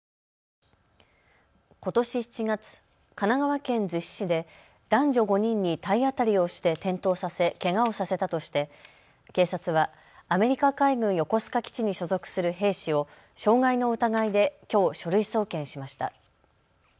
ことし７月、神奈川県逗子市で男女５人に体当たりをして転倒させ、けがをさせたとして警察はアメリカ海軍横須賀基地に所属する兵士を傷害の疑いできょう書類送検しました。